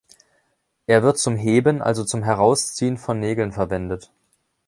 Er wird zum Heben, also zum Herausziehen von Nägeln verwendet.